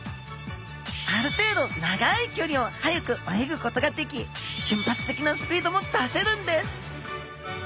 ある程度長いきょりを速く泳ぐことができ瞬発的なスピードも出せるんです